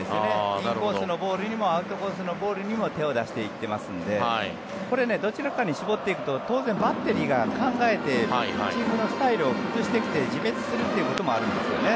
インコースのボールにもアウトコースのボールにも手を出していっていますのでこれね、どちらかに絞っていくと当然、バッテリーが考えてピッチングのスタイルを崩してきて自滅するということもあるんですね。